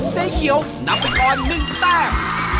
เสียงเขียวนำไปก่อนหนึ่งแต้ม